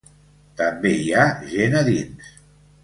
També hi ha gent a dins.